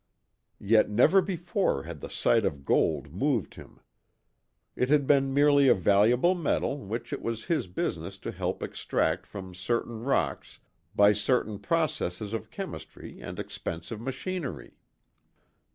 Yet never before had the sight of gold moved him. It had been merely a valuable metal which it was his business to help extract from certain rocks by certain processes of chemistry and expensive machinery.